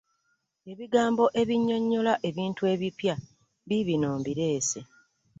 Ebigambo ebinnyonnyola ebintu ebipya biibino mbireese.